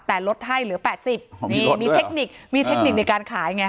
แต่ลดให้เหลือแปดสิบมีลดด้วยหรอมีเทคนิคมีเทคนิคในการขายไง